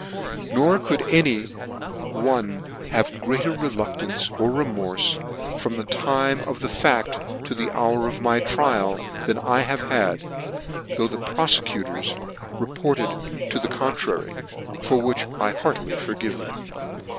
Nor could any one have greater reluctance or remorfe, from the time of the facl to the hour of my trial, than I have had, though the profecutors report ed to the contrary, for which I heartily forgive them.